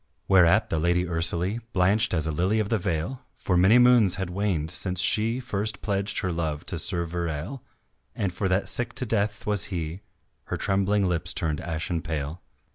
Whereat the Lady Ursalie Blanched as a lily of the vale, For many moons had waned since she First pledged her love to Sir Verale, And for that sick to death was he Her trembling lips turned ashen pale.